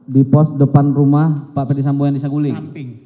di pos depan rumah pak ferdisambo yang di saguling